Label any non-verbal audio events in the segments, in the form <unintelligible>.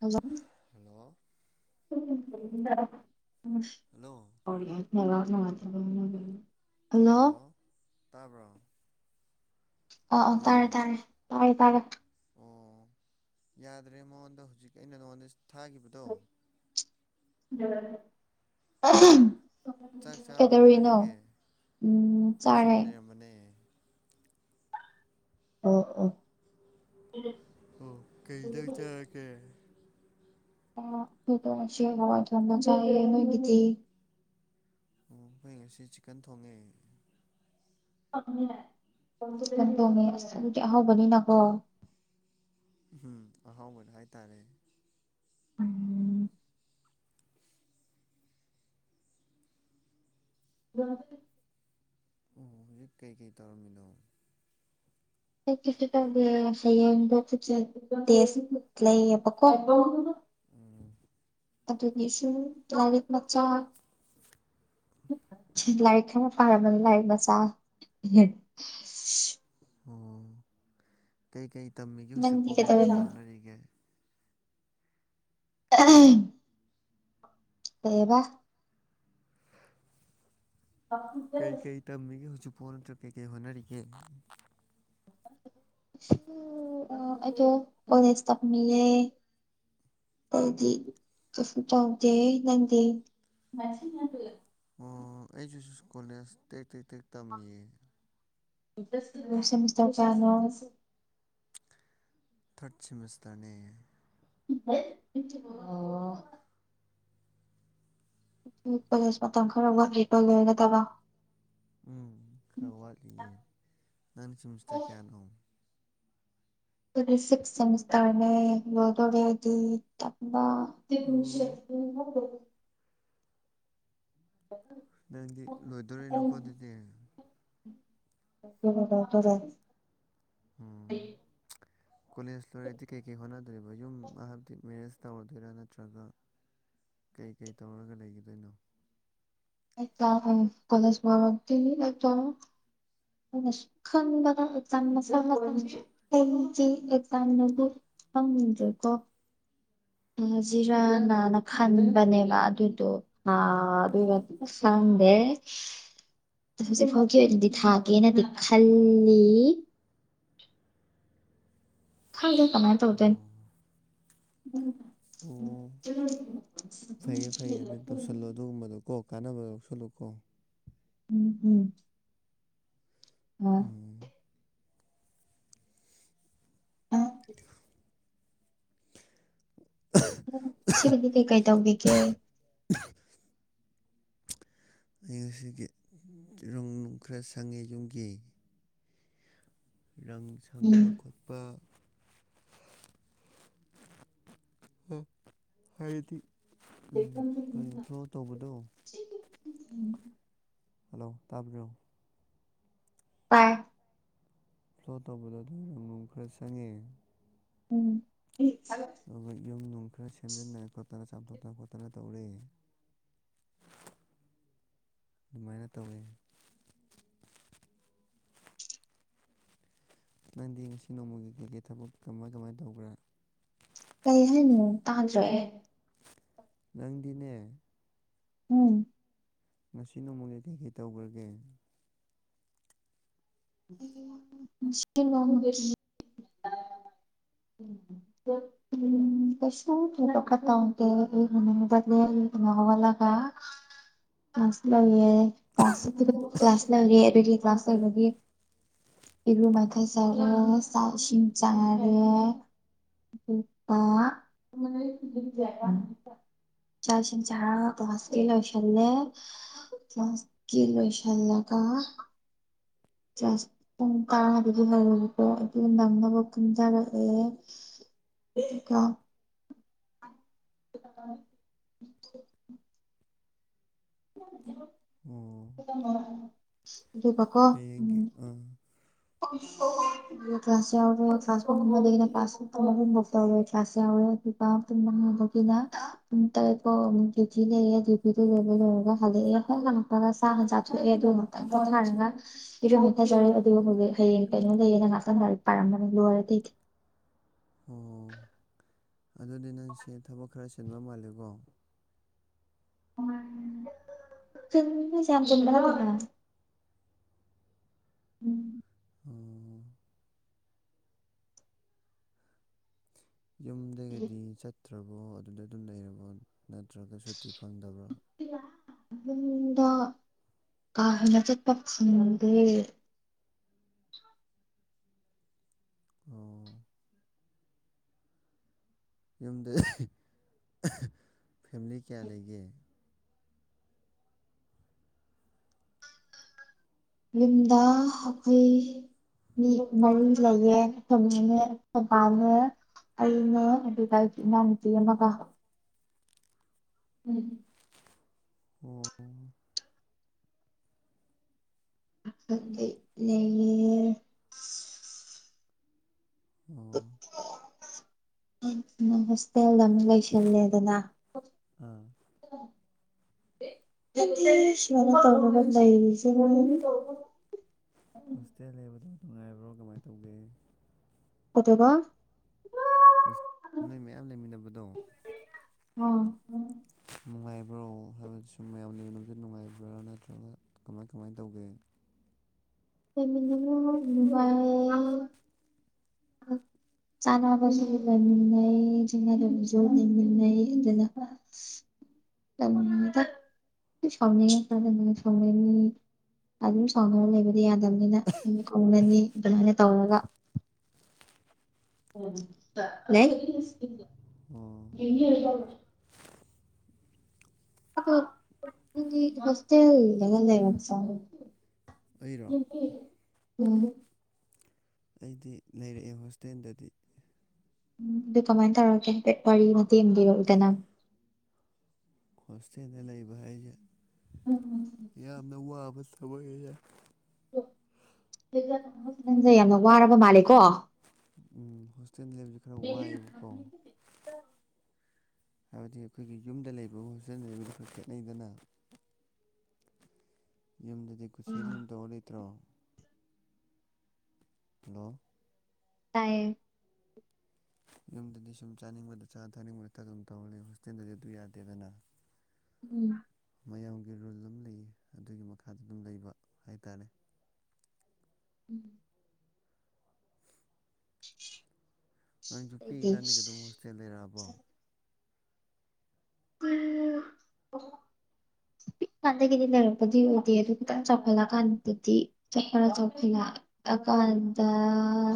Hello hello <unintelligible> hello <unintelligible> hello. ꯇꯥꯕ꯭ꯔꯣ? ꯑ ꯑ ꯇꯥꯔꯦ ꯍꯜꯂꯣ ꯇꯥꯔꯦ ꯇꯥꯔꯦ ꯇꯥꯔꯦ꯫ ꯑꯣ ꯌꯥꯗ꯭ꯔꯦ ꯃꯉꯣꯟꯗ ꯍꯧꯖꯤꯛ ꯑꯩꯅ ꯅꯉꯣꯟꯗ ꯊꯥꯈꯤꯕꯗꯣ ꯆꯥꯛ <inaudible> ꯆꯥꯔꯕꯣ ꯀꯩꯗꯧꯔꯤꯅꯣ, ꯀꯩꯗꯧꯔꯤꯒꯦ ꯎꯝ ꯆꯥꯔꯦ꯫ ꯃꯅꯦ ꯑꯣ ꯑꯣ ꯑꯣ ꯀꯩꯖꯥꯡ ꯆꯥꯔꯀꯦ? ꯑꯣ <unintelligible> ꯗꯣ ꯉꯁꯤ ꯍꯋꯥꯏ ꯊꯣꯡꯕ ꯆꯥꯏꯌꯦ ꯅꯣꯏꯒꯤꯗꯤ? ꯑꯣ ꯍꯣꯏ ꯉꯁꯤ ꯆꯤꯛꯀꯟ ꯊꯣꯡꯉꯦ꯫ ꯆꯤꯀꯟ ꯇꯣꯡꯉꯦ ꯑꯁ ꯑꯗꯨꯗꯤ ꯑꯍꯥꯎꯕꯅꯤꯅꯀꯣ ꯎꯝ ꯑꯍꯥꯎꯕꯅ ꯍꯥꯏꯇꯥꯔꯦ꯫ ꯎꯝ <unintelligible> ꯑꯣ ꯍꯧꯖꯤꯛ ꯀꯩꯀꯩ ꯇꯧꯔꯝꯃꯤꯅꯣ ꯀꯩꯁꯨ ꯇꯧꯗꯦ ꯍꯌꯦꯡꯗꯣ <unintelligible> ꯂꯩꯌꯦꯕꯀꯣ꯫ ꯎꯝ ꯑꯗꯨꯒꯤꯁꯨ ꯂꯥꯏꯔꯤꯛ ꯃꯆꯥ, ꯂꯥꯏꯔꯤꯛ <unintelligible> ꯑꯔꯥꯃꯅꯤ ꯂꯥꯏꯔꯤꯛ ꯃꯆꯥ <unintelligible> ꯑꯣ ꯀꯩꯀꯩ ꯇꯝꯃꯤꯒꯦ ꯍꯧꯖꯤꯛꯄꯨ ꯅꯪꯗꯤ ꯀꯩ ꯀꯩ ꯀꯩꯗꯧꯔꯤꯅꯣ ꯍꯣꯠꯅꯔꯤꯒꯦ? <unintelligible> ꯀꯩꯌꯦꯕꯥ? ꯀꯩꯀꯩ ꯇꯝꯃꯤꯒꯦ ꯍꯧꯖꯤꯛꯐꯥꯎ ꯅꯠꯇ꯭ꯔ ꯀꯩꯀꯩ ꯍꯣꯠꯅꯔꯤꯒꯦ? ꯁꯨꯝ ꯑ ꯑꯩꯗꯣ ꯀꯣꯂꯦꯖ ꯇꯞꯃꯤꯌꯦ꯫ ꯑꯩꯗꯤ ꯀꯩꯁꯨ ꯇꯧꯗꯦ, ꯅꯪꯗꯤ? ꯑꯣ ꯑꯩꯁꯨ ꯁꯨꯀꯣꯂꯦꯖ ꯇꯦꯛ ꯇꯦꯛ ꯇꯦꯛ ꯇꯝꯃꯤꯌꯦ꯫ <unintelligible> ꯊꯔꯠ ꯁꯦꯃꯤꯁꯇ꯭ꯔꯅꯦ <unintelligible> ꯑꯝ ꯀꯣꯂꯦꯁ ꯃꯇꯝ ꯈꯔ ꯋꯥꯠꯂꯤꯕ ꯂꯣꯏꯒꯗꯕ ꯎꯝ ꯈꯔ ꯋꯥꯠꯂꯤꯌꯦ ꯅꯪꯗꯤ ꯁꯦꯃꯤꯁꯇ꯭ꯔ ꯀꯌꯥꯅꯣ ꯁꯤꯛꯁ ꯁꯦꯃꯤꯁꯇ꯭ꯔꯅꯦ ꯂꯣꯏꯗꯧꯔꯦ ꯑꯩꯗꯤ ꯇꯝꯕ ꯑꯣ <unintelligible> ꯅꯪꯗꯤ ꯂꯣꯏꯗꯣꯔꯦꯅꯣꯀꯣ ꯑꯗꯨꯗꯤ <unintelligible> ꯎꯝ ꯀꯣꯂꯦꯖ ꯂꯣꯏꯔꯗꯤ ꯀꯩꯀꯩ ꯍꯣꯠꯅꯗꯣꯔꯤꯕ ꯌꯨꯝ ꯍꯥꯏꯗꯤ ꯃꯦꯔꯦꯖ ꯇꯧꯔꯗꯣꯏꯔꯥ ꯅꯠꯇ꯭ꯔꯒ ꯀꯩꯀꯩ ꯇꯧꯔꯒ ꯂꯩꯒꯗꯣꯏꯅꯣ <unintelligible> ꯑꯩꯅ ꯁꯨꯝ ꯈꯟꯕꯗ ꯑꯦꯛꯖꯥꯝ <unintelligible> ꯑꯦꯛꯖꯥꯝ ꯅꯗꯤ ꯐꯪꯗ꯭ꯔꯦꯀꯣ ꯖꯤꯔꯥ ꯅꯥꯅ ꯈꯟꯕꯅꯦꯕ ꯑꯗꯨꯗꯣ ꯑ <unintelligible> ꯍꯧꯖꯤꯛ ꯐꯧꯒꯤ ꯑꯣꯏꯅꯗꯤ ꯊꯥꯛ ꯀꯦꯅꯗꯤ ꯈꯜꯂꯤ ꯈꯪꯗꯦ ꯀꯃꯥꯏꯅ ꯇꯧꯗꯣꯏꯅꯣ ꯑꯣ ꯑꯣ ꯐꯩꯌꯦ ꯐꯩꯌꯦ ꯑꯗꯨ ꯇꯧꯁꯜꯂꯣ ꯑꯗꯨꯒꯨꯝꯕꯗꯣ ꯀꯣ ꯀꯥꯟꯅꯕ ꯌꯥꯎꯁꯜꯂꯨꯀꯣ ꯎꯝ ꯎꯝ ꯍꯣꯏ ꯎꯝ <inaudible> ꯁꯤꯒꯤꯗꯤ ꯀꯩꯀꯩ ꯇꯧꯕꯤꯒꯦ <inaudible> ꯑꯩ ꯉꯁꯤꯒꯤ ꯔꯪ ꯅꯨꯡ ꯈꯔ ꯁꯪꯉꯦ ꯌꯨꯝꯒꯤ ꯔꯪ ꯎꯝ ꯁꯪꯕ ꯈꯣꯠꯄ ꯑꯣ ꯍꯥꯏꯗꯤ ꯎꯝ ꯀꯟꯇ꯭ꯔꯣꯜ ꯇꯧꯕꯗꯣ ꯍꯜꯂꯣ ꯇꯥꯕ꯭ꯔꯣ ꯄꯥꯏ ꯐ꯭ꯂꯣꯠ ꯇꯧꯕꯗꯣ ꯑꯗꯨ ꯅꯨꯡ ꯈꯔ ꯆꯪꯉꯦ ꯎꯝ <unintelligible> ꯑꯗꯨꯒ ꯌꯨꯝ ꯅꯨꯡ ꯈꯔ ꯁꯦꯝꯖꯤꯟꯗꯅ ꯈꯣꯠꯇꯅ ꯆꯥꯝꯊꯣꯛꯇꯅ ꯈꯣꯠꯇꯅ ꯇꯧꯔꯦ ꯑꯗꯨꯃꯥꯏꯅ ꯇꯧꯋꯤ ꯅꯪꯗꯤ ꯉꯁꯤ ꯅꯣꯡꯃꯒꯤ ꯀꯩꯀꯩ ꯊꯕꯛ ꯀꯃꯥꯏ ꯀꯃꯥꯏꯅ ꯇꯧꯕ꯭ꯔꯥ ꯀꯩ ꯍꯥꯏꯅꯣ ꯇꯥꯗ꯭ꯔꯦ ꯅꯪꯗꯤꯅꯦ ꯎꯝ ꯉꯁꯤ ꯅꯣꯡꯃꯒꯤ ꯀꯩ ꯀꯩ ꯇꯧꯒ꯭ꯔꯒꯦ <inaudible> <inaudible> <unintelligible> ꯀ꯭ꯂꯥꯁ ꯂꯩꯌꯦ ꯀ꯭ꯂꯥꯁ ꯂꯩꯔꯦ ꯑꯗꯨꯒꯤ ꯀ꯭ꯂꯥꯁ ꯂꯩꯕꯒꯤ ꯏꯔꯨ ꯃꯥꯏꯊꯖꯔꯦ ꯆꯥꯛ ꯏꯁꯤꯡ ꯆꯥꯔꯦ ꯑꯣ ꯆꯥꯛ ꯏꯁꯤꯡ ꯆꯔꯒ ꯀ꯭ꯂꯥꯁꯀꯤ ꯂꯣꯏꯁꯤꯜꯂꯦ ꯀꯂ꯭ꯁꯀꯤ ꯂꯣꯁꯟꯂꯒ ꯆꯥꯁ ꯄꯨꯡ ꯇꯔꯗꯒꯤ ꯍꯧꯋꯦꯕꯀꯣ ꯑꯗꯨ ꯅꯪꯅꯕ ꯀꯨꯝꯊꯔꯛꯑꯦ <inaudible> <unintelligible> ꯑꯣ ꯗꯨꯒꯀꯣ ꯍꯌꯦꯡꯒꯤ ꯎꯝ ꯑꯥ <inaudible> ꯗꯨꯒ ꯀ꯭ꯂꯁ ꯌꯥꯎꯔꯣ ꯀ꯭ꯂꯁ ꯄꯨꯡ ꯑꯃꯗꯒꯤꯅ ꯀ꯭ꯂꯁ ꯄꯨꯡ ꯑꯍꯨꯝꯕꯣꯛ ꯇꯧꯋꯦ ꯀ꯭ꯂꯁ ꯌꯥꯎꯔꯦ ꯑꯩ ꯄꯨꯡ ꯃꯉꯥꯕꯣꯛꯀꯤꯅ ꯎꯝ ꯇꯧꯌꯦꯀꯣ ꯗꯌꯨꯇꯤ ꯂꯩꯑꯦ ꯗ꯭ꯌꯨꯇꯤꯗꯣ ꯂꯣꯏꯔ ꯂꯣꯏꯔꯒ ꯍꯜꯂꯛꯑꯦ ꯍꯦꯛ ꯍꯟꯂꯛꯄꯒ ꯆꯥꯛ ꯍꯥꯟ ꯆꯥꯊꯣꯛꯑꯦ ꯑꯗꯨꯅ ꯑꯗꯨ ꯆꯥꯎꯔꯒ ꯏꯔꯨ ꯃꯥꯏꯊꯖꯔꯦ ꯑꯗꯨꯒ ꯍꯧꯖꯤꯛ ꯍꯌꯦꯡ ꯀꯩꯅꯣ ꯂꯩꯌꯦꯅ ꯉꯥꯛꯇꯪ ꯂꯥꯏꯔꯤꯛ ꯄꯔꯝꯃꯒ ꯂꯣꯏꯔꯗꯤ ꯑꯣ ꯑꯗꯨꯗꯤ ꯅꯪꯁꯦ ꯊꯕꯛ ꯈꯔ ꯆꯤꯟꯕ ꯃꯥꯜꯂꯤꯀꯣ ꯆꯤꯟꯕꯖꯤ ꯌꯥꯝ ꯆꯤꯟꯕ <unintelligible> ꯎꯝ ꯌꯨꯝꯗꯒꯤꯗꯤ ꯆꯠꯇ꯭ꯔꯕꯣ ꯑꯗꯨꯗ ꯑꯗꯨꯝ ꯂꯩꯔꯕꯣ ꯅꯠꯇ꯭ꯔꯒ ꯁꯨꯇꯤ ꯐꯪꯗꯕ꯭ꯔꯣ ꯌꯨꯝꯗꯣ ꯑꯥ ꯍꯟꯗꯛ ꯆꯠꯄ ꯐꯪꯗ꯭ꯔꯦ ꯑꯣ ꯌꯨꯝꯗ ꯐꯦꯃꯤꯂꯤ ꯀꯌꯥ ꯂꯩꯒꯦ ꯌꯨꯝꯗ ꯑꯩꯈꯣꯏ ꯃꯤ ꯃꯔꯤ ꯂꯩꯌꯦ ꯑꯈꯣꯏ ꯃꯥꯅꯦ ꯑꯈꯣꯏ ꯕꯥꯅꯦ ꯑꯩꯅꯦ ꯑꯗꯨꯒ ꯏꯅꯥꯎꯅꯨꯄꯤ ꯑꯃꯒ ꯎꯝ <unintelligible> <unintelligible> ꯂꯩꯌꯦ ꯑꯣ ꯅꯣꯏ ꯍꯣꯁꯇꯦꯜꯗ ꯃꯤ ꯂꯩꯁꯟꯂꯦꯗꯅ ꯑꯥ <unintelligible> <unintelligible> <unintelligible> ꯍꯣꯁꯇꯦꯜ ꯂꯩꯕꯗꯣ ꯅꯨꯡꯉꯥꯏꯕ꯭ꯔꯣ ꯀꯃꯥꯏ ꯇꯧꯒꯦ <unintelligible> ꯍꯣꯁ ꯅꯣꯏ ꯃꯌꯥꯝ ꯂꯩꯃꯤꯟꯅꯕꯗꯣ ꯑꯥ ꯅꯨꯡꯉꯥꯏꯕ꯭ꯔꯣ ꯍꯥꯏꯕꯗꯤ ꯁꯨꯝ ꯃꯌꯥꯝ ꯂꯩꯃꯤꯟꯅꯕꯁꯤ ꯅꯨꯡꯉꯥꯏꯕ꯭ꯔꯥ ꯅꯠꯇ꯭ꯔꯒ ꯀꯃꯥꯏ ꯀꯃꯥꯏꯅ ꯇꯧꯒꯦ ꯂꯩꯃꯤꯟꯅꯕ ꯅꯨꯡꯉꯥꯏꯌꯦ <unintelligible> ꯆꯥꯅꯕꯁꯨ ꯂꯩꯃꯤꯟꯅꯩ ꯆꯤꯡꯅꯗꯕꯤꯖꯨ ꯂꯩꯃꯤꯟꯅꯩ ꯑꯗꯨꯅ ꯇꯧꯅꯨꯗ ꯁꯥꯎꯅꯤꯡꯉꯀꯟꯗꯅ <unintelligible> ꯁꯥꯎꯅꯤꯡꯅꯤ ꯑꯗꯨꯝ ꯁꯥꯎꯅꯔ ꯂꯩꯕꯗꯤ ꯌꯥꯗꯕ ꯅꯤꯅ ꯃꯤ ꯀꯧꯅꯅꯤ ꯑꯗꯨꯃꯥꯏꯅ ꯇꯧꯔꯒ ꯂꯩ ꯑꯣ <unintelligible> <unintelligible> ꯍꯣꯁꯇꯦꯜꯗꯒ ꯂꯩꯔꯛꯆꯂꯣ ꯑꯩꯔꯣ ꯎꯝ ꯑꯩꯗꯤ ꯂꯩꯔꯛꯑꯦ ꯍꯣꯁꯇꯦꯜꯗꯗꯤ ꯎꯝ ꯑꯗꯨ ꯀꯃꯥꯏꯅ ꯇꯧꯔꯒꯦ ꯍꯥꯢꯐꯦꯠ ꯋꯥꯔꯤ ꯃꯇꯦꯛ ꯑꯃ ꯂꯤꯔꯛꯎꯗꯅ ꯍꯣꯁꯇꯦꯜꯗ ꯂꯩꯕ ꯍꯥꯏꯁꯦ ꯎꯝ ꯑ ꯌꯥꯝꯅ ꯋꯕꯥ ꯊꯕꯛꯅꯤꯗ ꯅꯪꯁꯦ ꯌꯥꯝꯅ ꯋꯥꯔꯕ ꯃꯥꯜꯂꯦꯀꯣ ꯎꯝ ꯍꯣꯁꯇꯦꯜ ꯂꯩꯥꯏꯕꯁꯨ ꯈꯔ ꯋꯥꯏꯑꯦꯕꯀꯣ ꯍꯥꯏꯕꯗꯤ ꯑꯩꯈꯣꯏꯒꯤ ꯌꯨꯝꯗ ꯂꯩꯕ ꯍꯣꯁꯇꯦꯜꯗ ꯂꯩꯕꯗꯨ ꯈꯔ ꯈꯦꯠꯅꯩꯗꯅ ꯌꯨꯝꯗꯗꯤ ꯀꯨꯁꯤꯗ ꯁꯨꯝ ꯇꯧꯔ ꯂꯩꯇ꯭ꯔꯣ ꯍꯜꯂꯣ ꯇꯥꯏꯌꯦ ꯌꯨꯝꯗꯗꯤ ꯁꯨꯝ ꯆꯥꯅꯤꯡꯕꯗ ꯆꯥ ꯊꯥꯅꯤꯡꯕꯗ ꯊꯛ ꯑꯗꯨꯝ ꯇꯧꯔ ꯂꯩ ꯍꯣꯁꯇꯦꯜꯗꯗꯤ ꯑꯗꯨ ꯌꯥꯗꯦꯗꯅ ꯎꯝ ꯃꯌꯥꯝꯒꯤ ꯔꯨꯜ ꯑꯃ ꯂꯩꯌꯦ ꯑꯗꯨꯒꯤ ꯃꯈꯥꯗ ꯑꯗꯨꯝ ꯂꯩꯕ ꯍꯥꯏꯇꯥꯔꯦ ꯎꯝ ꯅꯪꯁꯨ ꯑꯩꯗꯤ ꯄꯤꯛꯏꯀꯥꯟꯗꯒꯤ ꯑꯗꯨꯝ ꯍꯣꯁꯇꯦꯜ ꯂꯩꯔꯛꯑꯕꯣ ꯎ <unintelligible> ꯄꯤꯛꯄꯀꯥꯟꯗꯒꯤꯗꯤ ꯂꯩꯔꯛꯄꯗꯤ ꯑꯣꯏꯗꯦ ꯑꯗꯨ ꯈꯤꯇꯪ ꯆꯥꯎꯈꯠꯂꯛꯀꯥꯟꯗꯗꯤ <unintelligible> <unintelligible> ꯑꯀꯥꯟꯗ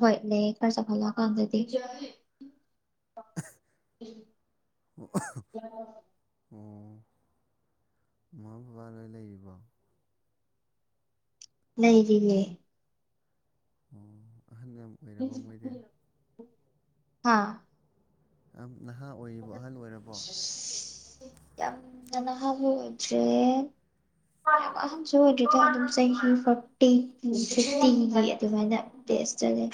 ꯍꯣꯏ ꯂꯩꯌꯦ ꯈꯔ ꯆꯧꯈꯠꯂꯛꯑꯒꯥꯟꯗꯗꯤ ꯑꯣ <unintelligible> ꯑꯝ ꯃꯃꯥ ꯕꯕꯥ ꯂꯣꯏ ꯂꯩꯔꯤꯕꯣ ꯂꯩꯔꯤꯌꯦ ꯑꯣ ꯑꯍꯥꯜ ꯌꯥꯝ ꯑꯣꯏꯔꯕ ꯃꯣꯏꯗꯤ ꯍꯥꯥ ꯌꯥꯝ ꯅꯍꯥ ꯑꯣꯏꯔꯤꯕꯣ ꯑꯍꯟ ꯑꯣꯏꯔꯕꯣ ꯌꯥꯝꯅ ꯅꯍꯥ ꯑꯣꯢꯗ꯭ꯔꯦ ꯌꯥꯝ ꯑꯍꯟꯁꯨ ꯑꯣꯏꯗ꯭ꯔꯦ ꯑꯗꯨꯝ ꯆꯍꯤ ꯐꯣꯔꯇꯤ ꯐꯤꯐꯇꯤꯒꯤ ꯑꯗꯨꯃꯥꯏꯅ ꯇꯦꯁ ꯆꯠꯂꯦ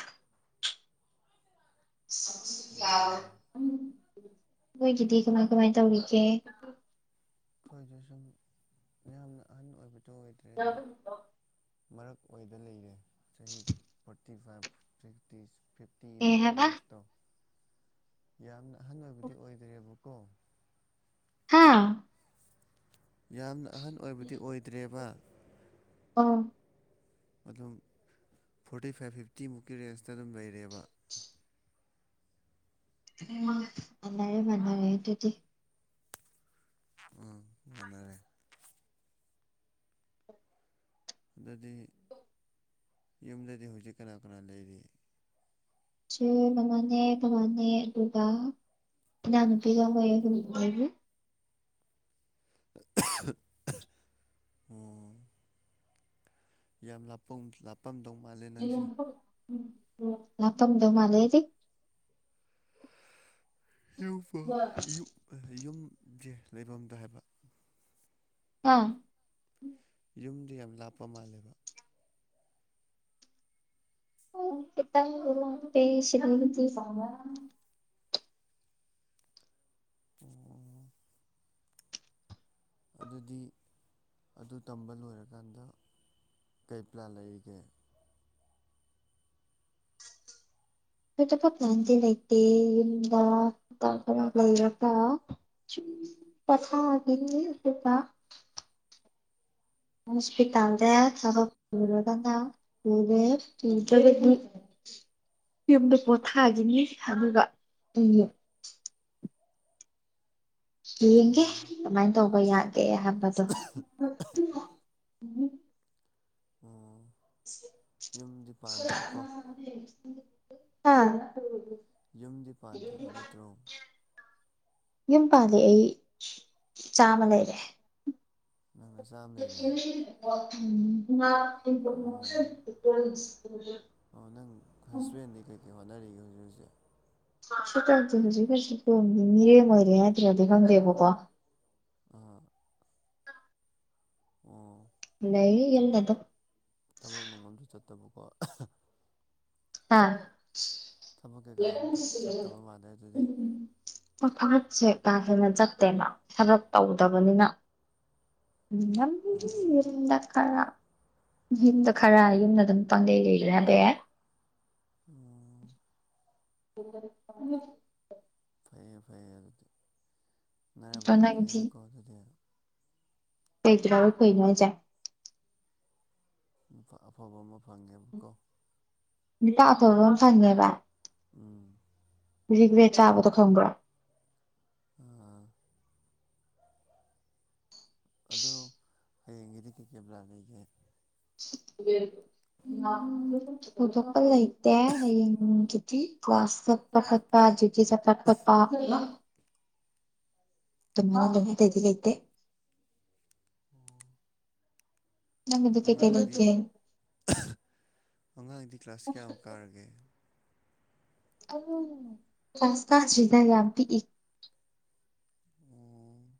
ꯑꯣ ꯅꯣꯏꯒꯤꯗꯤ ꯀꯃꯥꯏ ꯀꯃꯥꯏ ꯇꯧꯔꯤꯒꯦ ꯑꯩꯈꯣꯏꯗ ꯁꯨꯝ ꯃꯌꯥꯝꯅ ꯑꯍꯟ ꯑꯣꯏꯕꯗꯨ ꯑꯣꯏꯗ꯭ꯔꯦ ꯑꯗꯨꯝ ꯃꯔꯛ ꯑꯣꯏꯗ ꯂꯩꯔꯦ ꯆꯍꯤ ꯐꯣꯔꯇꯤ ꯐꯥꯏꯚ ꯐꯤꯐꯇꯤꯁ ꯀꯩ ꯐꯤꯐꯇꯤꯃꯨꯛ ꯍꯥꯏꯕ ꯔꯦꯟꯖꯇꯣ ꯌꯥꯝꯅ ꯑꯍꯟ ꯑꯣꯏꯕꯗꯤ ꯑꯣꯏꯗ꯭ꯔꯦꯕꯀꯣ ꯍꯥꯥ ꯌꯥꯝꯅ ꯑꯍꯟ ꯑꯣꯏꯕꯗꯤ ꯑꯣꯏꯗ꯭ꯔꯦꯕ ꯑꯥ ꯑꯗꯨꯝ ꯐꯣꯔꯇꯤ ꯐꯥꯏꯚ ꯐꯤꯞꯇꯤꯃꯨꯛꯀꯤ ꯔꯦꯟꯖꯇ ꯑꯗꯨꯝ ꯂꯩꯔꯦꯕ ꯎꯝ ꯃꯥꯟꯅꯩꯌꯦ ꯃꯥꯟꯅꯔꯦ ꯑꯗꯨꯗꯤ ꯎꯝ ꯃꯥꯅꯔꯦ ꯑꯗꯨꯗꯤ ꯌꯨꯝꯗꯗꯤ ꯍꯧꯖꯤꯛ ꯀꯅꯥ ꯀꯅꯥ ꯂꯩꯔꯤ ꯏꯆꯦ ꯑꯃꯅꯦ ꯏꯕꯨꯡꯉꯣꯅꯦ ꯑꯗꯨꯒ ꯏꯅꯥꯎꯅꯨꯄꯤꯒ ꯑꯩꯈꯣꯏ ꯑꯍꯨꯝ ꯂꯩꯔꯤ <unintelligible> ꯑꯣ ꯌꯥꯝ ꯂꯞꯄꯝ ꯂꯥꯞꯄꯝꯗꯧ ꯃꯥꯜꯂꯦ ꯅꯪꯁꯦ ꯎꯝ ꯂꯥꯛꯄꯗꯧ ꯃꯥꯜꯂꯦꯗꯤ ꯌꯨꯝꯁꯦ ꯌꯦꯝ ꯌꯨꯝꯁꯦ ꯂꯩꯐꯝꯗꯨ ꯍꯥꯏꯕ ꯍꯥ ꯌꯨꯝꯗꯤ ꯌꯥꯝ ꯂꯥꯞꯄ ꯃꯥꯜꯂꯦꯕ ꯎꯝ ꯈꯤꯇꯪꯗꯤ ꯂꯥꯞꯄꯦ ꯁꯤꯗꯥꯒꯤꯗꯤ <inaudible> ꯑꯗꯨꯗꯤ ꯑꯗꯨ ꯇꯝꯕ ꯂꯣꯏꯔꯀꯥꯟꯗ ꯀꯩ ꯄ꯭ꯂꯥꯟ ꯂꯩꯔꯤꯒꯦ ꯍꯧꯖꯤꯛꯐꯥꯎ ꯄ꯭ꯂꯥꯟꯗꯤ ꯂꯩꯇꯦ ꯌꯨꯝꯗ ꯀꯥ ꯚꯥꯔꯥ ꯂꯩꯔꯒꯥ ꯁꯨꯝ ꯄꯣꯊꯥꯒꯤꯅꯤ ꯑꯗꯨꯒ ꯍꯣꯁꯄꯤꯇꯥꯜꯗꯥ ꯊꯕꯛ ꯄꯨꯔꯒꯅꯥ ꯄꯨꯔꯦ ꯄꯨꯗ꯭ꯔꯥꯒꯗꯤ ꯌꯨꯝꯗ ꯄꯣꯊꯥꯈꯤꯅꯤ ꯑꯗꯨꯒ ꯎꯝ ꯌꯦꯡꯒꯦ ꯑꯣ ꯀꯃꯥꯏꯅ ꯇꯧꯕ ꯌꯥꯒꯦ ꯍꯥꯏꯕꯥ <unintelligible> ꯎꯝ <unintelligible> ꯑꯣ ꯌꯨꯝꯗꯤ ꯄꯥꯟꯗ꯭ꯔꯤꯀꯣ ꯍꯥ ꯌꯨꯝꯗꯤ ꯄꯥꯟꯗ꯭ꯔꯤꯕ ꯅꯠꯇ꯭ꯔꯣ ꯌꯨꯝ ꯄꯥꯜꯂꯦ ꯑꯩ ꯏꯆꯥ ꯑꯃ ꯂꯩꯔꯦ ꯅꯪ ꯅꯆꯥ ꯑꯃ ꯂꯩꯔꯦ <unintelligible> ꯑꯣ <unintelligible> ꯀꯩ ꯍꯣꯠꯅꯔꯤꯒꯦ ꯍꯧꯖꯤꯛ ꯍꯧꯖꯤꯛ ꯀꯩꯁꯨ ꯇꯧꯗꯦ ꯍꯧꯖꯤꯛ ꯍꯧꯖꯤꯛꯀꯤ ꯑꯣꯏꯅꯥꯗꯤ ꯃꯤꯔꯦꯝ ꯑꯣꯏꯔꯤ ꯍꯥꯏꯗ꯭ꯔꯗꯤ ꯈꯪꯗꯦꯕꯀꯣ ꯑꯥ ꯑꯣ ꯂꯩꯌꯦ ꯌꯨꯝꯗ ꯑꯗꯨꯝ ꯊꯕꯛ ꯅꯨꯡꯕꯛ ꯑꯃꯇ ꯆꯠꯇꯕꯀꯣ ꯍꯥ ꯊꯕꯛ ꯀꯩꯀꯥ ꯑꯃꯇ ꯆꯠꯇꯕ ꯃꯥꯜꯂꯦ ꯑꯗꯨꯗꯤ ꯍꯣꯏ ꯊꯕꯛꯁꯦ ꯀꯥ ꯍꯦꯟꯅ ꯆꯠꯇꯦꯕ ꯊꯕꯛ ꯇꯧꯗꯕꯅꯤꯅ <unintelligible> ꯌꯨꯝꯗꯥ ꯈꯔꯥ ꯌꯨꯝꯗ ꯈꯔ ꯌꯨꯝꯗ ꯑꯗꯨꯝ ꯄꯥꯡꯂꯧ ꯂꯩꯔꯤ ꯍꯥꯏꯕꯥ ꯌꯥꯏ ꯑꯣ <unintelligible> ꯐꯩꯌꯦ ꯐꯩꯌꯦ ꯑꯗꯨꯗꯤ ꯑꯗꯣ ꯅꯔꯥꯏꯕꯛ ꯌꯥꯝ ꯅꯪꯗꯤ ꯐꯩꯅꯦꯀꯣ ꯑꯗꯨꯗꯤ <unintelligible> ꯀꯩꯅꯣ ꯍꯥꯏꯖꯦ ꯅꯨꯄꯥ ꯑꯐꯕ ꯑꯃ ꯐꯪꯉꯦꯕꯀꯣ ꯅꯨꯄꯥ ꯑꯐꯕꯥ ꯑꯃ ꯐꯪꯉꯦꯕ ꯎꯝ ꯔꯤꯒ꯭ꯔꯦꯛ ꯆꯥꯕꯗꯣ ꯈꯪꯕ꯭ꯔꯣ ꯑꯥ ꯑꯗꯧ ꯍꯌꯦꯡꯒꯤꯗꯤ ꯀꯩꯀꯩ ꯄ꯭ꯂꯥꯟ ꯂꯩꯒꯦ ꯊꯣꯏꯗꯣꯛꯄ ꯂꯩꯇꯦ ꯍꯌꯦꯡꯒꯤꯗꯤ ꯀ꯭ꯂꯥꯁ ꯆꯠꯄ ꯈꯛꯇ ꯗꯤꯌꯨꯇꯤ ꯆꯠꯄ ꯈꯛꯇ ꯑꯗꯨꯃꯥꯏ‌ ꯂꯩ ꯑꯇꯩꯗꯤ ꯂꯩꯇꯦ ꯑꯣ ꯅꯪꯒꯤꯗꯤ ꯀꯩꯀꯩ ꯑꯉꯥꯡꯗꯤ ꯂꯩꯒꯦ ꯑꯉꯥꯡꯗꯤ ꯀ꯭ꯂꯥꯁ ꯀꯌꯥꯃꯨꯛ ꯀꯥꯔꯒꯦ ꯀ꯭ꯂꯥꯁ ꯀꯥꯗ꯭ꯔꯤꯗ ꯌꯥꯝ ꯄꯤꯛꯏ ꯎꯝ